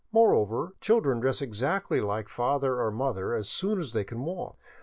Moreover, children dress exactly like father or mother as soon as they can walk.